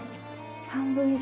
半分以上？